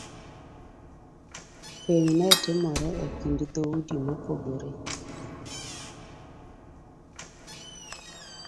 Keny ne timore e kind dhoudi mopogore .